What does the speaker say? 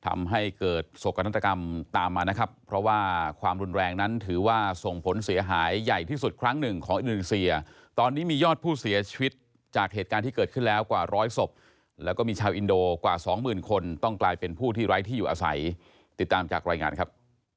ทำให้เกิดโศกนาฏกรรมตามมานะครับเพราะว่าความรุนแรงนั้นถือว่าส่งผลเสียหายใหญ่ที่สุดครั้งหนึ่งของอินโดนีเซียตอนนี้มียอดผู้เสียชีวิตจากเหตุการณ์ที่เกิดขึ้นแล้วกว่าร้อยศพแล้วก็มีชาวอินโดกว่าสองหมื่นคนต้องกลายเป็นผู้ที่ไร้ที่อยู่อาศัยติดตามจากรายงานครับ